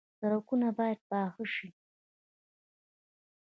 سړکونه باید پاخه شي